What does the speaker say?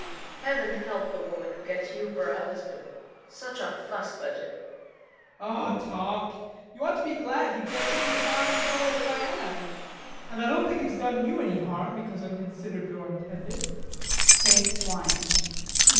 ] Heaven help the woman who gets you for her husband. Such a fuss budget! JEAN. Oh, talk! You ought to be glad to get such a fine fellow as I am. And I don't think it's done you any harm because I'm considered your intended. [Tastes wine.